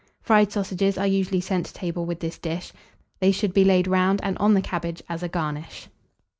Fried sausages are usually sent to table with this dish: they should be laid round and on the cabbage, as a garnish.